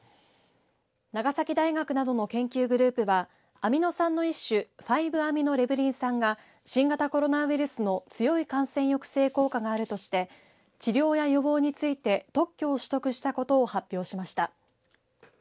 長崎大学などの研究グループはアミノ酸の一種５‐アミノレブリン酸が新型コロナウイルスの強い感染抑制効果があるとして治療や予防について特許を取得したことを発表しました。